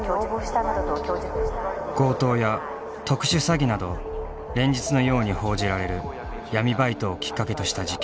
強盗や特殊詐欺など連日のように報じられる闇バイトをきっかけとした事件。